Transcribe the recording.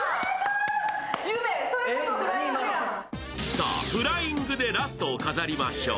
さあ、フライングでラストを飾りましょう。